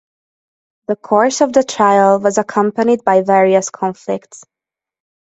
The course of the trial was accompanied by various conflicts.